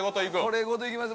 これごといきます